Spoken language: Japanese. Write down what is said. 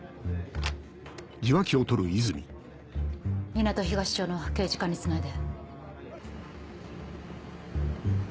港東署の刑事課につないで。